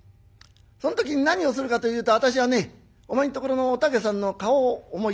そん時に何をするかというと私はねお前んところのお竹さんの顔を思い浮かべるんだ。